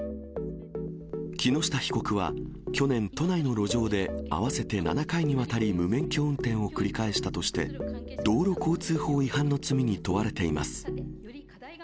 木下被告は、去年、都内の路上で合わせて７回にわたり、無免許運転を繰り返したとして、道路交通法違反の罪に問われています。